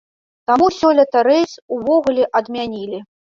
Таму сёлета рэйс увогуле адмянілі.